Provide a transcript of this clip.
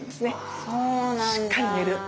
しっかり寝る。